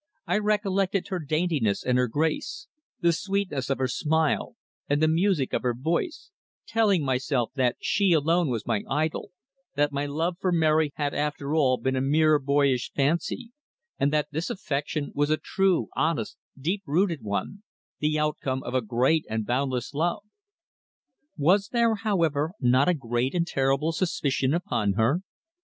I recollected her daintiness and her grace, the sweetness of her smile and the music of her voice, telling myself that she alone was my idol, that my love for Mary had after all been a mere boyish fancy, and that this affection was a true, honest, deep rooted one, the outcome of a great and boundless love. Was there, however, not a great and terrible suspicion upon her?